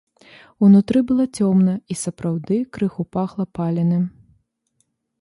Унутры было цёмна і сапраўды крыху пахла паленым.